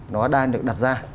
nó đang được đặt ra